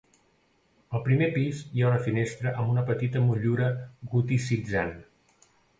Al primer pis hi ha una finestra amb una petita motllura goticitzant.